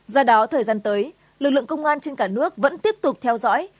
do đó thời gian tới lực lượng công an trên cả nước vẫn tiếp tục theo dõi